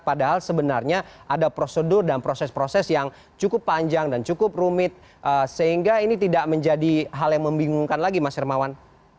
padahal sebenarnya ada prosedur dan proses proses yang cukup panjang dan cukup rumit sehingga ini tidak menjadi hal yang membingungkan lagi mas hermawan